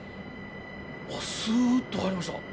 スーッと入りました。